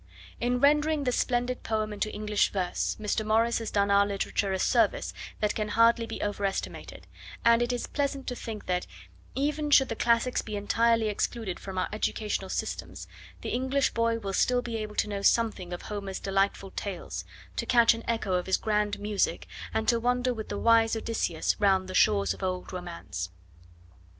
In rendering this splendid poem into English verse, Mr. Morris has done our literature a service that can hardly be over estimated, and it is pleasant to think that, even should the classics be entirely excluded from our educational systems, the English boy will still be able to know something of Homer's delightful tales, to catch an echo of his grand music and to wander with the wise Odysseus round 'the shores of old romance.'